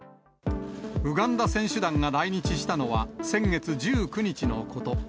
ウガンダ選手団が来日したのは先月１９日のこと。